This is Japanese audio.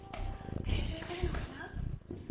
練習しているのかな。